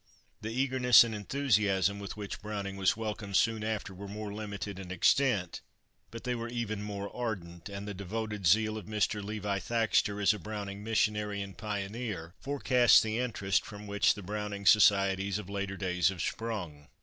The eagerness and enthusiasm with which Browning was welcomed soon after were more limited in extent, but they were even more ardent, and the devoted zeal of Mr. Levi Thaxter as a Browning missionary and pioneer forecast the interest from which the Browning societies of later days have sprung.